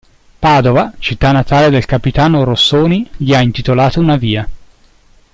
Padova, città natale del capitano Rossoni, gli ha intitolato una via.